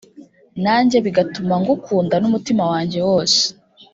najye bigatuma ngukunda n’umutima wanjye wose